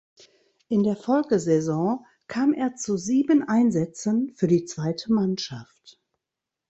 In der Folgesaison kam er zu sieben Einsätzen für die zweite Mannschaft.